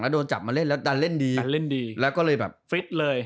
โดนจับมาเล่นแล้วดันเล่นดีดันดีแล้วก็เลยแบบฟิตเลย